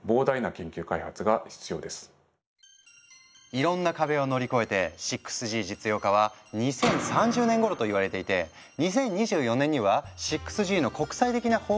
いろんな壁を乗り越えて６Ｇ実用化は２０３０年ごろと言われていて２０２４年には６Ｇの国際的な方向性が決まるみたい。